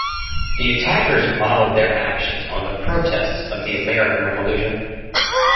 The attackers modeled their actions on the protests of the American Revolution.